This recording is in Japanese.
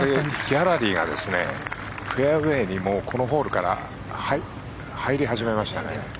ギャラリーがフェアウェーにこのホールから入り始めましたね。